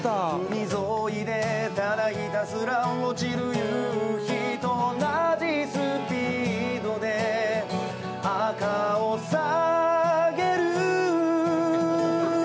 海沿いでただひたすら落ちる夕日と同じスピードで赤をさげる。